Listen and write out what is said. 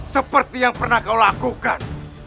seperti yang pernah kau lakukan